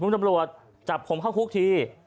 คุณตำรวจจับผมเข้าคุกที